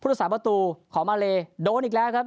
รักษาประตูของมาเลโดนอีกแล้วครับ